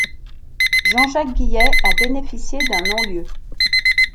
Jean-Jacques Guillet a bénéficié d’un non-lieu.